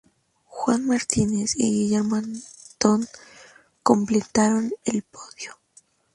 Juan Martínez y Guillermo Antón completaron el podio.